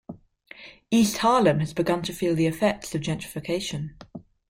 East Harlem has begun to feel the effects of gentrification.